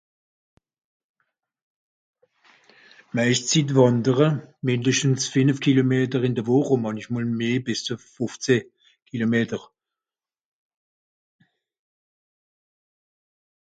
D'Meischt Zitt wàndere, mìndeschtens fìnef Kilometer ìn de Wùch ùn mànchmol meh bìs ùff fùfzeh... Kilometer.